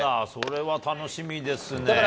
それは楽しみですね。